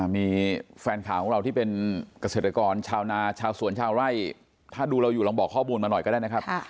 มีแฟนข่าวของเราที่เป็นเกษตรกรชาวนาชาวสวนชาวไร่ถ้าดูเราอยู่ลองบอกข้อมูลมาหน่อยก็ได้นะครับ